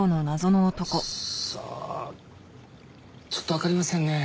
さあちょっとわかりませんね。